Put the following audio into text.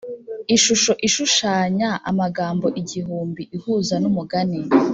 ishusho ishushanya amagambo igihumbi ihuza numugani